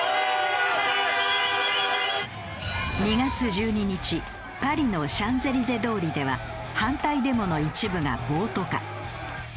２月１２日パリのシャンゼリゼ通りでは反対デモの一部が暴徒化。